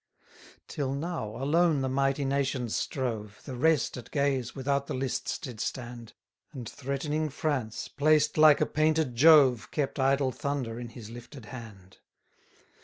39 Till now, alone the mighty nations strove; The rest, at gaze, without the lists did stand: And threatening France, placed like a painted Jove, Kept idle thunder in his lifted hand.